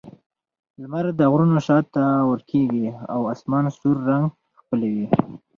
لمر د غرونو شا ته ورکېږي او آسمان سور رنګ خپلوي.